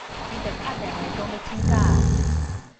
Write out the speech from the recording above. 伊就敲電話講欲請假矣